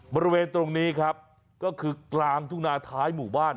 บริเวณตรงนี้ครับก็คือกลางทุ่งนาท้ายหมู่บ้าน